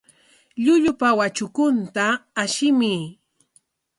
Llullupa watrakunta ashimuy.